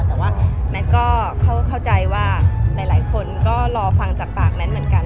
แต่ว่าแมทก็เข้าใจว่าหลายคนก็รอฟังจากปากแมทเหมือนกัน